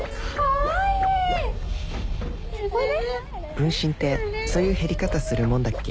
おいで分身ってそういう減り方するもんだっけ？